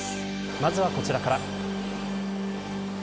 まずはこちらから。